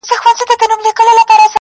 • چي اوزګړی په کوهي کي را نسکور سو -